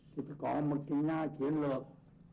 thì có một nhà chuyên lược